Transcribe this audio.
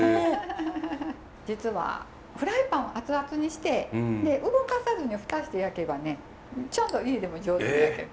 実はフライパンを熱々にして動かさずに蓋して焼けばねちゃんと家でも上手に焼ける。